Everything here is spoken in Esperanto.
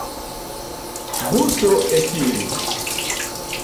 Buso ekiris.